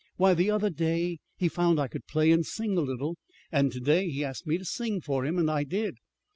Why, the other day he found I could play and sing a little, and to day he asked me to sing for him. And I did."